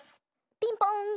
ピンポン！